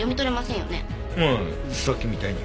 ああさっきみたいに。